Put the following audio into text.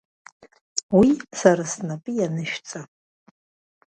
Уи сара снапы ианышәҵа.